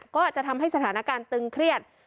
ก็จะทำให้สถานการณ์ตึงเครียด